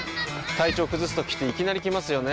体調崩すときっていきなり来ますよね。